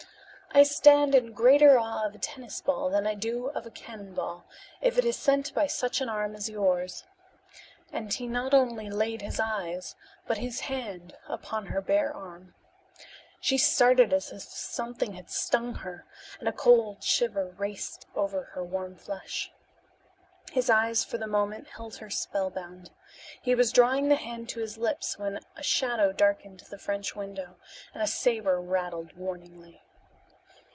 "I stand in greater awe of a tennis ball than I do of a cannonball, if it is sent by such an arm as yours," and he not only laid his eyes but his hand upon her bare arm. She started as if something had stung her, and a cold shiver raced over her warm flesh. His eyes for the moment held her spellbound. He was drawing the hand to his lips when a shadow darkened the French window, and a saber rattled warningly.